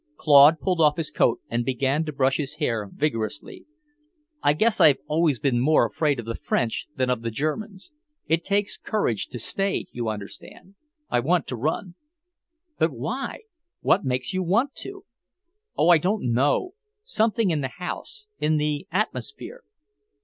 Claude pulled off his coat and began to brush his hair vigorously. "I guess I've always been more afraid of the French than of the Germans. It takes courage to stay, you understand. I want to run." "But why? What makes you want to?" "Oh, I don't know! Something in the house, in the atmosphere."